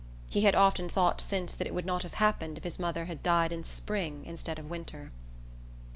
He had often thought since that it would not have happened if his mother had died in spring instead of winter...